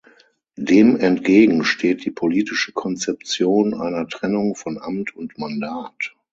Dem entgegen steht die politische Konzeption einer Trennung von Amt und Mandat.